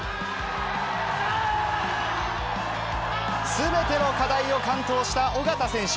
すべての課題を完登した緒方選手。